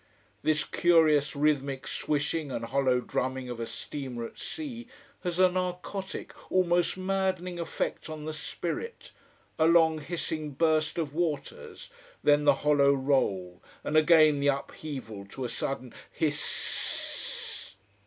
_ This curious rhythmic swishing and hollow drumming of a steamer at sea has a narcotic, almost maddening effect on the spirit, a long, hissing burst of waters, then the hollow roll, and again the upheaval to a sudden hiss ss ss!